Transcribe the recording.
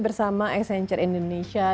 bersama exxenture indonesia